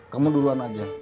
kamu duluan aja